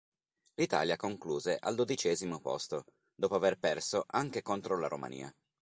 L'Italia concluse al dodicesimo posto, dopo aver perso anche contro la Romania.